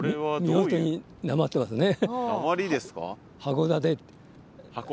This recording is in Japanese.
見事になまってますね。